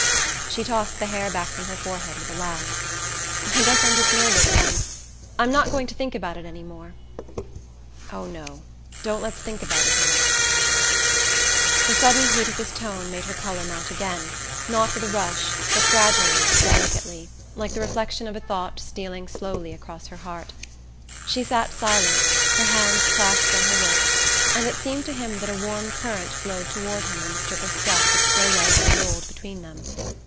She tossed the hair back from her forehead with a laugh. "I guess I'm just nervous, then. I'm not going to think about it any more." "Oh, no don't let's think about it, Matt!" The sudden heat of his tone made her colour mount again, not with a rush, but gradually, delicately, like the reflection of a thought stealing slowly across her heart. She sat silent, her hands clasped on her work, and it seemed to him that a warm current flowed toward him along the strip of stuff that still lay unrolled between them.